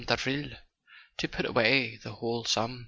Davril to put away the whole sum.